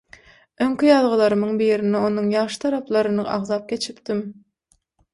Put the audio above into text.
Öňki ýazgylarymyň birinde onuň ýagşy taraplaryny agzap geçipdim.